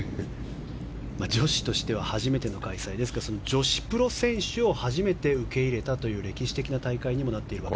女子としては初めての開催ですが女子プロ選手を初めて受け入れたという歴史的な大会にもなっています。